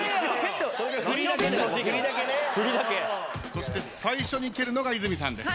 そして最初に蹴るのが泉さんです。